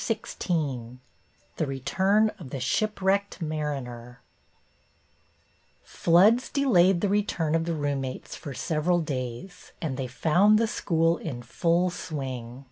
XVI THE RETURN OF THE SHIPWRECKED MARINER F loods delayed the return of the roommates for several days, and they found the school in full swing.